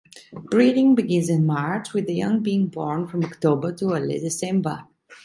Breeding begins in March, with the young being born from October to early December.